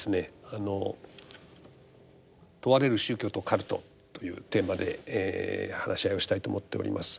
あの「問われる宗教と“カルト”」というテーマで話し合いをしたいと思っております。